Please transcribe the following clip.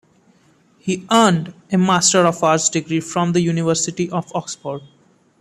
He earned a master of arts degree from the University of Oxford.